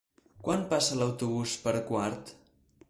Quan passa l'autobús per Quart?